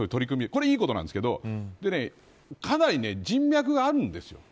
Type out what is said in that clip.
これはいいことですがかなり人脈があるんです。